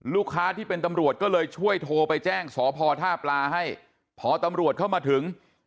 ที่เป็นตำรวจก็เลยช่วยโทรไปแจ้งสพท่าปลาให้พอตำรวจเข้ามาถึง